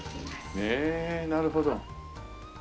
へえなるほど。